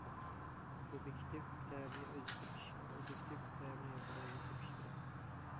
سۇبيېكتىپ سەۋەبنى ئۆزى تېپىش، ئوبيېكتىپ سەۋەبنى يۇقىرى دەرىجىلىك تېپىش كېرەك.